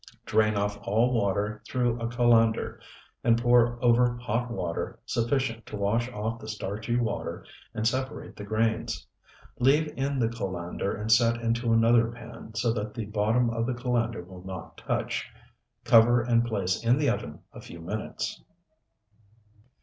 Drain off all water through a colander and pour over hot water sufficient to wash off the starchy water and separate the grains. Leave in the colander and set into another pan, so that the bottom of colander will not touch. Cover and place in the oven a few minutes.